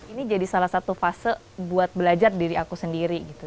ini jadi salah satu fase buat belajar diri aku sendiri gitu